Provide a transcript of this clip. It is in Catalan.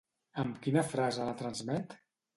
Amb quina frase la transmet?